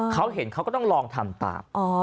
เขาเห็นเขาก็ต้องลองทำตาม